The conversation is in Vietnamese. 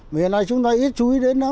hiện nay chúng ta ít chú ý đến nó